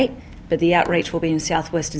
ini akan menawarkan perempuan di seluruh negara